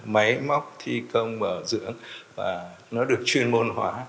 máy móc thi công bảo dưỡng và nó được chuyên môn hóa